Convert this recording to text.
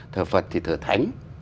thờ phật thì thờ thánh